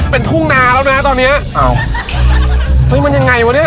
เป็นทุ่งนาแล้วนะตอนเนี้ยอ้าวเฮ้ยมันยังไงวะเนี้ย